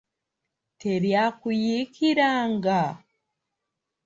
Teryakuyiikiranga?